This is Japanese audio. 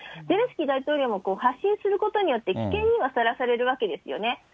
ゼレンスキー大統領も発信することによって危険にはさらされるわけですよね。